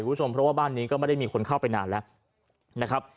คุณผู้ชมเพราะว่าบ้านนี้ก็ไม่ได้มีคนเข้าไปนานแล้วนะครับ